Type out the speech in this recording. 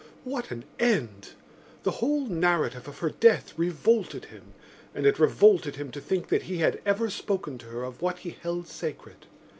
What an end! The whole narrative of her death revolted him and it revolted him to think that he had ever spoken to her of what he held sacred.